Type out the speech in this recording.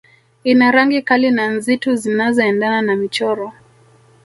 Ina rangi kali na nzitu zinazoendana na michoro